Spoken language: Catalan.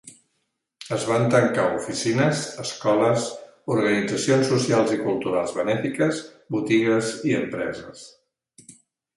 Es van tancar oficines, escoles, organitzacions socials i culturals benèfiques, botigues i empreses.